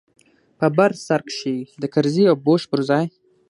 په بر سر کښې د کرزي او بوش پر ځاى.